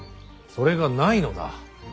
それがないのだ。